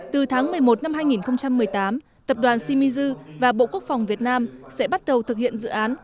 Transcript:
từ tháng một mươi một năm hai nghìn một mươi tám tập đoàn shimizu và bộ quốc phòng việt nam sẽ bắt đầu thực hiện dự án